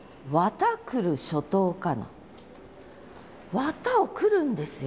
綿を繰るんですよ。